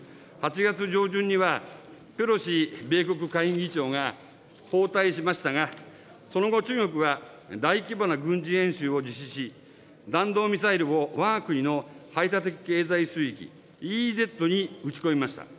８月上旬には、ペロシ米国下院議長が訪台しましたが、その後、中国は大規模な軍事演習を実施し、弾道ミサイルをわが国の排他的経済水域・ＥＥＺに撃ち込みました。